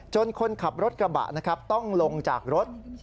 จนคนขับรถกระบะต้องลงจากรถ